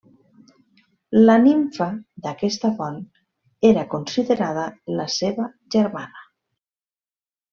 La nimfa d'aquesta font era considerada la seva germana.